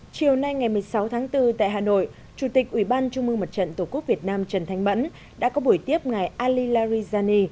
chiều nay ngày một mươi sáu tháng bốn tại hà nội chủ tịch ubnd tổ quốc việt nam trần thanh mẫn đã có buổi tiếp ngày ali larijani